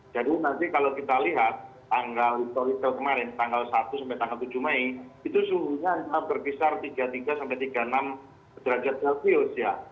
jadi nanti kalau kita lihat tanggal historical kemarin tanggal satu sampai tanggal tujuh mei itu sungguhnya berkisar tiga puluh tiga sampai tiga puluh enam derajat celcius ya